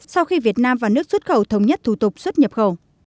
sau khi việt nam và nước xuất khẩu thống nhất thủ tục xuất nhập khẩu